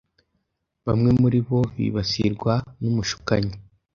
bamwe muri bo bibasirwa n’umushukanyi.